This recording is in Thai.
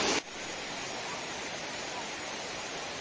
สวัสดีครับ